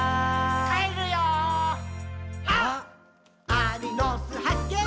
アリの巣はっけん